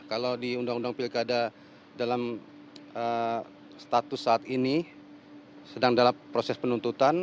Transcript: kalau di undang undang pilkada dalam status saat ini sedang dalam proses penuntutan